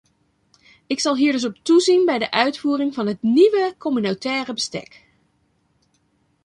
Ik zal hier dus op toezien bij de uitvoering van het nieuwe communautaire bestek.